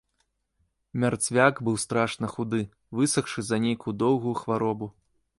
Мярцвяк быў страшна худы, высахшы за нейкую доўгую хваробу.